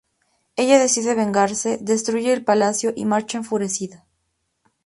Ella decide vengarse, destruye el palacio y marcha enfurecida.